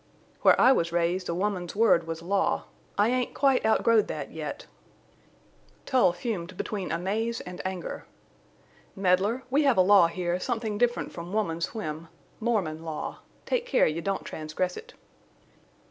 "Where I was raised a woman's word was law. I ain't quite outgrowed that yet." Tull fumed between amaze and anger. "Meddler, we have a law here something different from woman's whim—Mormon law!... Take care you don't transgress it."